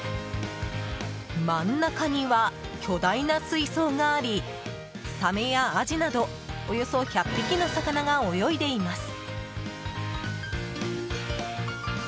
真ん中には巨大な水槽がありサメやアジなどおよそ１００匹の魚が泳いでいます。